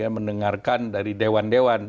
ada yang mendengarkan dari dewan dewan